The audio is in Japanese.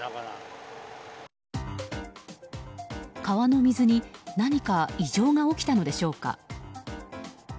川の水に何か異常が起きたのでしょうか。